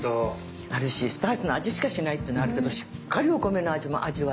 あるしスパイスの味しかしないってのはあるけどしっかりお米の味も味わえるっていう。